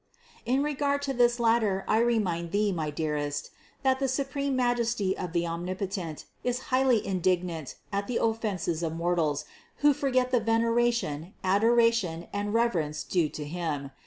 In regard to this latter I re mind thee, my dearest, that the supreme majesty of the Omnipotent is highly indignant at the offenses of mortals, who forget the veneration, adoration, and reverence due to Him.